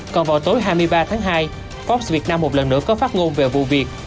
còn vào tối hai mươi ba tháng hai fox việt nam một lần nữa có phát ngôn về vụ việc